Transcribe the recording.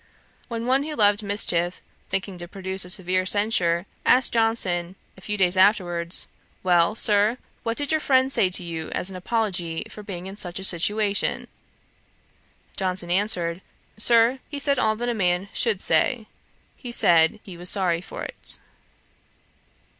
When one who loved mischief, thinking to produce a severe censure, asked Johnson, a few days afterwards, 'Well, Sir, what did your friend say to you, as an apology for being in such a situation?' Johnson answered, 'Sir, he said all that a man should say: he said he was sorry for it.'